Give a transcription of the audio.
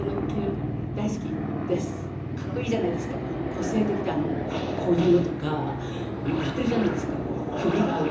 女性：こういうのとかやってるじゃないですか。